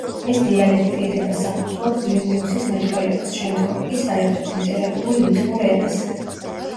ეს დიალექტი ედება საფუძვლად ვილნიუსის მეტყველებას, შემდგომ კი, საერთოდ, ლიტერატურულ ლიტვურ ენას.